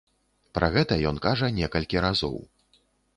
Пра гэта ён кажа некалькі разоў.